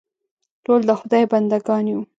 ټول د خدای بندهګان یو.